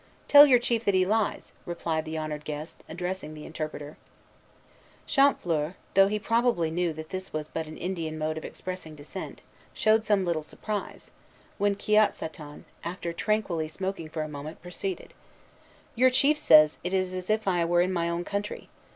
"Tell your chief that he lies," replied the honored guest, addressing the interpreter. Champfleur, though he probably knew that this was but an Indian mode of expressing dissent, showed some little surprise; when Kiotsaton, after tranquilly smoking for a moment, proceeded: "Your chief says it is as if I were in my own country.